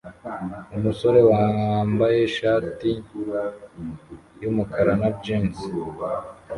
Umusore wambaye ishati yumukara na jans